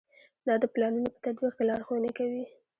دا د پلانونو په تطبیق کې لارښوونې کوي.